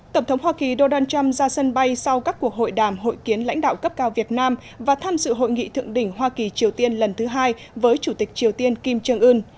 tổng thống hoa kỳ donald trump ra sân bay sau các cuộc hội đàm hội kiến lãnh đạo cấp cao việt nam và tham dự hội nghị thượng đỉnh hoa kỳ triều tiên lần thứ hai với chủ tịch triều tiên kim trương ưn